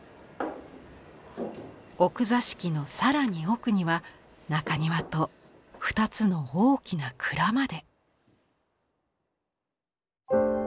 奥座敷の更に奥には中庭と２つの大きな蔵まで。